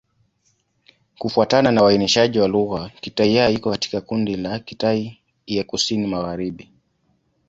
Kufuatana na uainishaji wa lugha, Kitai-Ya iko katika kundi la Kitai ya Kusini-Magharibi.